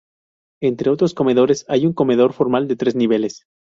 Entre otros comedores hay un comedor formal de tres niveles.